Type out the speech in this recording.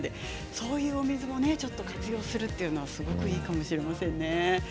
そういうお水も活用するというのはすごくいいかもしれませんね。